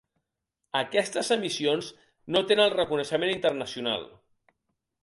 Aquestes emissions no tenen el reconeixement internacional.